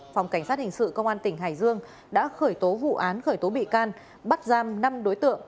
phòng cảnh sát hình sự công an tỉnh hải dương đã khởi tố vụ án khởi tố bị can bắt giam năm đối tượng